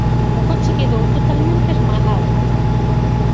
O coche quedou totalmente esmagado.